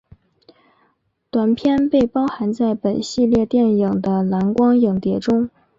短片被包含在本系列电影的蓝光影碟中。